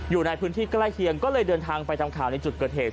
อยู่ในพื้นที่ใกล้เคียงก็เลยเดินทางไปทำข่าวในจุดเกิดเหตุ